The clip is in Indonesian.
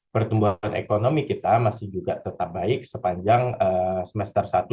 pertumbuhan ekonomi kita masih juga tetap baik sepanjang semester satu dua ribu